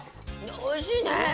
おいしいね。